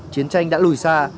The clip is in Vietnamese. chiến tranh đã lùi xa